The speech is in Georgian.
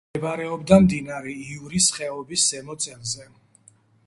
მდებარეობდა მდინარე ივრის ხეობის ზემო წელზე.